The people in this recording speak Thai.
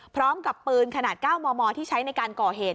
พร้อมกับปืนขนาด๙มมที่ใช้ในการก่อเหตุ